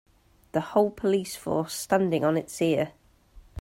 The whole police force standing on it's ear.